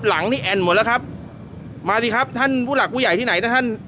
หลังนี่แอ่นหมดแล้วครับมาสิครับท่านผู้หลักผู้ใหญ่ที่ไหนนะท่าน